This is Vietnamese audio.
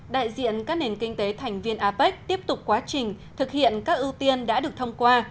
đại diện các nền kinh tế thành viên apec tiếp tục quá trình thực hiện các ưu tiên đã được thông qua